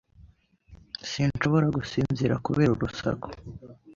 Sinshobora gusinzira kubera urusaku.